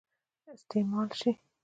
استعمال سي.